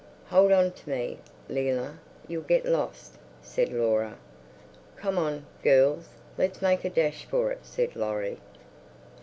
"Hold on to me, Leila; you'll get lost," said Laura. "Come on, girls, let's make a dash for it," said Laurie.